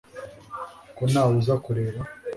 ko ntawe uza kureba